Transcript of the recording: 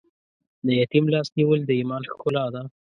د یتیم لاس نیول د ایمان ښکلا ده.